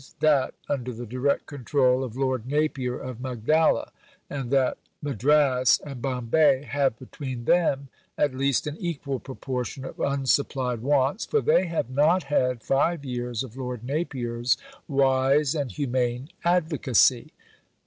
_ that under the direct control of Lord Napier of Magdala), and that Madras and Bombay have (between them) at least an equal proportion of unsupplied wants, for they have not had five years of Lord Napier's wise and humane advocacy.